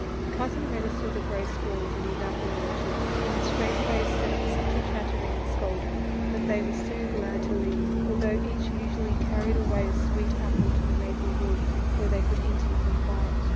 If Cousin Redder saw the gray squirrels in 56 THE LITTLE FORESTERS. his apple orchard he would straightway set up such a chattering and scolding that they were soon glad to leave, although each usually car ried away a sweet apple to the maple woods, where they could eat it in quiet.